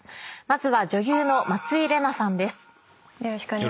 まずは女優の松井玲奈さんです。